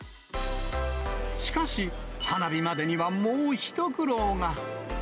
しかし、花火までにはもう一苦労が。